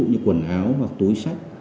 như quần áo hoặc túi sách